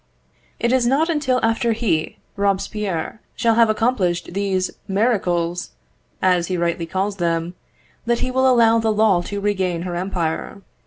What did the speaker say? It is not until after he, Robespierre, shall have accomplished these miracles, as he rightly calls them, that he will allow the law to regain her empire.